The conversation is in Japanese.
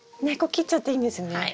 根っこ切っちゃっていいんですね？